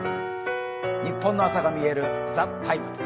ニッポンの朝がみえる「ＴＨＥＴＩＭＥ，」